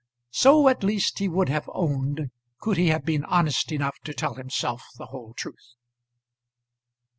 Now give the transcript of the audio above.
So at least he would have owned, could he have been honest enough to tell himself the whole truth.